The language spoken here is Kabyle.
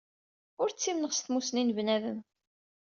Ul ttimneɣ s tmusni n bnadem.